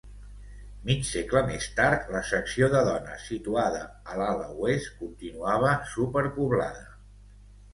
Mig segle més tard la secció de dones, situada a l'ala oest, continuava superpoblada.